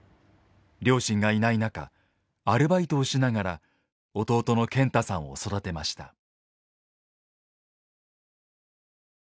両親がいない中アルバイトをしながら弟の健太さんを育てました。